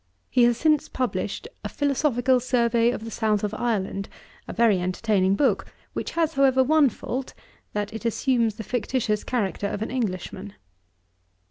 He has since published A Philosophical Survey of the South of Ireland, a very entertaining book, which has, however, one fault; that it assumes the fictitious character of an Englishman.